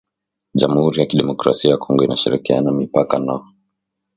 jamhuri ya kidemokrasia ya Kongo inashirikiana mipaka na